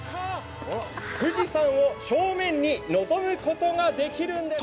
富士山を正面に望むことができるんです。